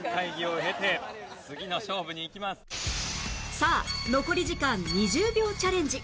さあ残り時間２０秒チャレンジ